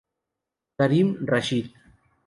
Karim Rashid.